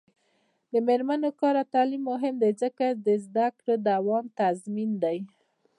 د میرمنو کار او تعلیم مهم دی ځکه چې زدکړو دوام تضمین دی.